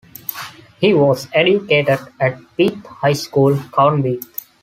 He was educated at Beath High School, Cowdenbeath.